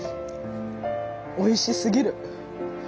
おいしすぎる。